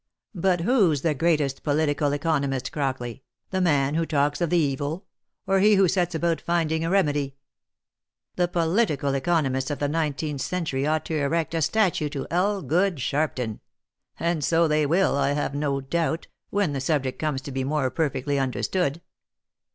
But who's the greatest political economist, Crockley, the man who talks of the evil, or he who sets about finding a remedy ? The political economists of the nineteenth century ought to erect a statue to Elgood Sharpton ; and so they will, I have no doubt, when the subject comes to be more perfectly understood.